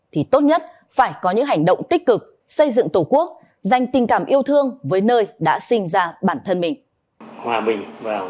thì tốt nhất phải có những hành động tích cực xây dựng tổ quốc dành tình cảm yêu thương với nơi đã sinh ra bản thân mình hòa bình